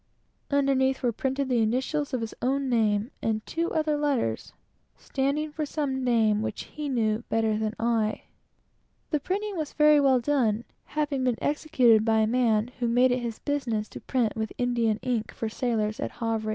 Underneath were printed the initials of his own name, and two other letters, standing for some name which he knew better than I did. This was very well done, having been executed by a man who made it his business to print with India ink, for sailors, at Havre.